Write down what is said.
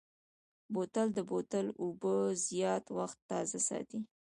بوتل د بوتل اوبه زیات وخت تازه ساتي.